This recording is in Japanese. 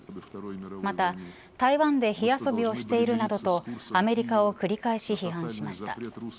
また台湾で火遊びをしているなどとアメリカを繰り返し批判しました。